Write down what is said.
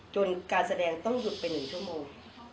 การแสดงต้องหยุดไป๑ชั่วโมง